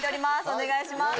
お願いします。